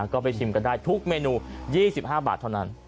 ก็ไปชิมกันได้ทุกเมนู๒๕บาทเท่านั้น